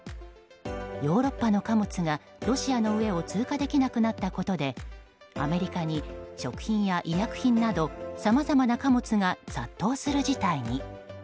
ヨーロッパの貨物がロシアの上を通過できなくなったことでアメリカに食品や医薬品などさまざまな貨物が殺到する事態に。